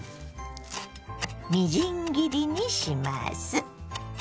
みじん切りにします。